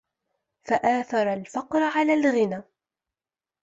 فَآثَرَ الْفَقْرَ عَلَى الْغِنَى